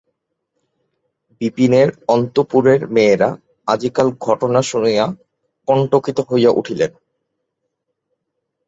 বিপিনের অন্তঃপুরের মেয়েরা আজিকার ঘটনা শুনিয়া কণ্টকিত হইয়া উঠিলেন।